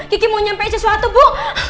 kiki mau nyampe sesuatu bu